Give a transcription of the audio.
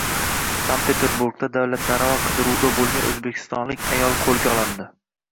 Sankt-Peterburgda davlatlararo qidiruvda bo‘lgan o‘zbekistonlik ayol qo‘lga olindi